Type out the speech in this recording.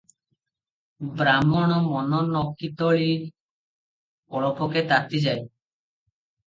ବ୍ରାହ୍ଣଣ ମନ ନକିତଳି ଅଳପକେ ତାତି ଯାଏ ।